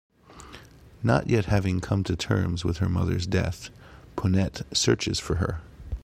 Not yet having come to terms with her mother's death, Ponette searches for her.